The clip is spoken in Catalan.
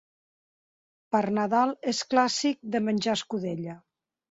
Per Nadal és clàssic de menjar escudella.